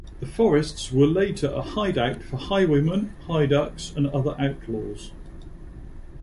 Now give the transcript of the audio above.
The forests were later a hideout for highwaymen, haiducs and other outlaws.